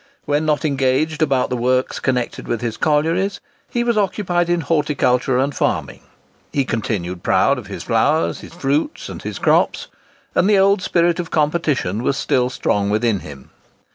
When not engaged about the works connected with his collieries, he was occupied in horticulture and farming. He continued proud of his flowers, his fruits, and his crops; and the old spirit of competition was still strong within him.